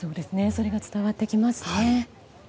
それが伝わってきますね。